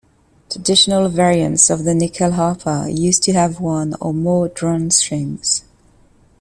Traditional variants of the nyckelharpa used to have one or more drone strings.